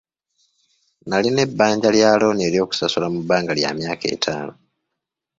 Nalina ebbanja lya looni ery'okusasula mu bbanga lya myaka etaano.